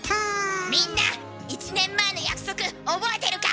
みんな１年前の約束覚えてるか？